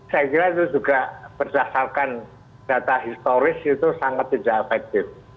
saya kira itu juga berdasarkan data historis itu sangat tidak efektif